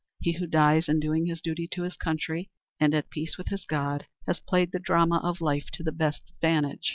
He who dies in doing his duty to his country, and at peace with his God, has played the drama of life to the best advantage."